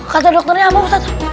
kata dokternya apa ustadz